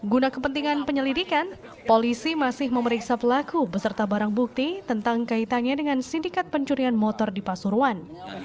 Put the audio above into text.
guna kepentingan penyelidikan polisi masih memeriksa pelaku beserta barang bukti tentang kaitannya dengan sindikat pencurian motor di pasuruan